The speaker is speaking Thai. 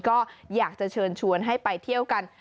ก็อยากจะเชิญชวนให้ไปเที่ยวกัน